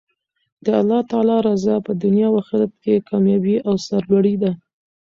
د الله تعالی رضاء په دنیا او اخرت کښي کاميابي او سر لوړي ده.